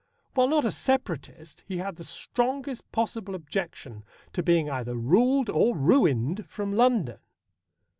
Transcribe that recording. While not a Separatist, he had the strongest possible objection to being either ruled or ruined from London.